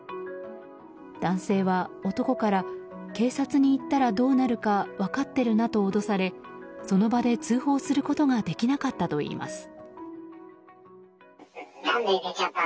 男性は、男から警察に行ったらどうなるか分かってるなと脅されその場で通報することができなかったといいます。